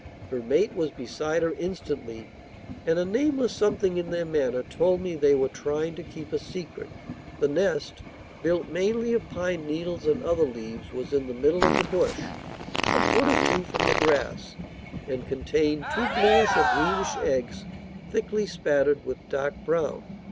Her mate was beside her instantly, and a nameless something in their manner told me they were trying to keep a secret. The nest, built mainly of pine needles and other leaves, was in the middle of the bush, a foot or two from the grass, and contained two bluish or greenish eggs thickly spattered with dark brown.